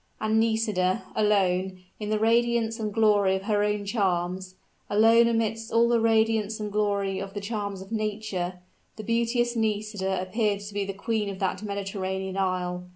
And Nisida alone, in the radiance and glory of her own charms alone amidst all the radiance and glory of the charms of nature the beauteous Nisida appeared to be the queen of that Mediterranean isle.